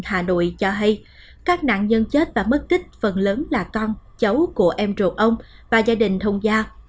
hà nội cho hay các nạn nhân chết và mất kích phần lớn là con cháu của em trụ ông và gia đình thông gia